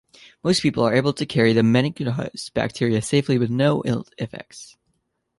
Most people are able to carry the meningococcus bacteria safely with no ill effects.